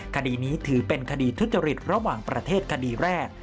คดีนี้ถือเป็นคดีทุจริตระหว่างประเทศคดีแรก